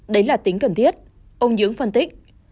đấy là tính cần thiết ông nhưỡng phân tích